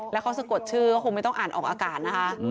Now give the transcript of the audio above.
แล้วเขาสะกดชื่อก็คงไม่ต้องอ่านออกอากาศนะคะ